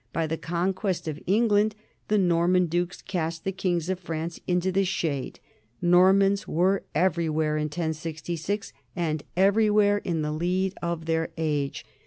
By the conquest of England the "Norman dukes cast the kings of France into the shade. ... Normans were everywhere in 1066, and everywhere in the lead of their age."